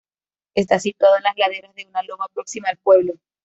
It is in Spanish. Está situado en las laderas de una loma próxima al pueblo.